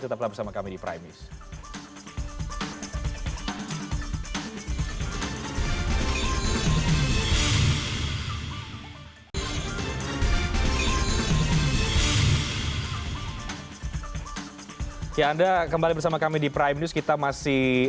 tetaplah bersama kami di primis